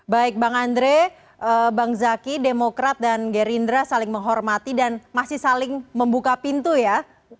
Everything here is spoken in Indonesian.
baik bang andre bang zaki demokrat dan gerindra saling menghormati dan masih saling membuka pintu ya